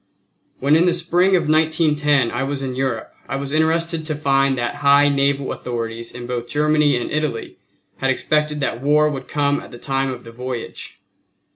When in the spring of 1910 I was in Europe I was interested to find that high naval authorities in both Germany and Italy had expected that war would come at the time of the voyage.